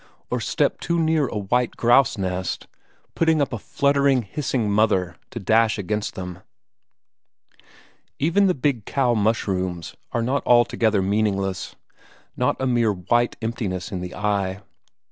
Or step too near a white grouse nest, putting up a fluttering hissing mother to dash against them? Even the big cow mushrooms are not altogether meaningless; not a mere white emptiness in the eye.